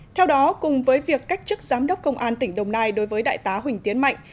theo đó cùng với việc cách chức giám đốc công an tỉnh đồng nai đối với đại tá huỳnh tiến mạnh